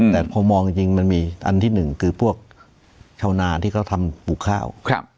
แต่พอมองจริงมันมีอันที่หนึ่งคือพวกชาวนาที่เขาทำปลูกข้าว